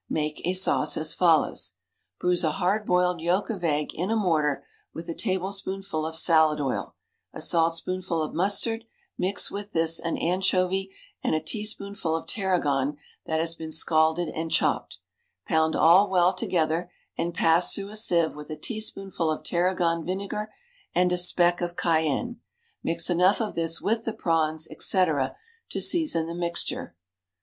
Make a sauce as follows: Bruise a hard boiled yolk of egg in a mortar with a tablespoonful of salad oil, a saltspoonful of mustard; mix with this an anchovy and a teaspoonful of tarragon that has been scalded and chopped; pound all well together, and pass through a sieve with a teaspoonful of tarragon vinegar and a speck of cayenne; mix enough of this with the prawns, etc., to season the mixture.